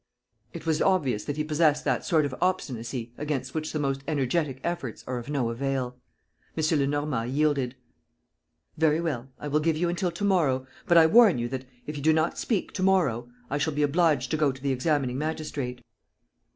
..." It was obvious that he possessed that sort of obstinacy against which the most energetic efforts are of no avail. M. Lenormand yielded: "Very well. I give you until to morrow, but I warn you that, if you do not speak to morrow, I shall be obliged to go to the examining magistrate."